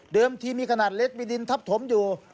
เดิมที่มีขนาดเลสมีดินทับถมอยู่